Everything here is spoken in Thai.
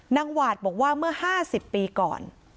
หวาดบอกว่าเมื่อ๕๐ปีก่อน